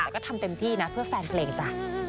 แต่ก็ทำเต็มที่นะเพื่อแฟนเพลงจ้ะ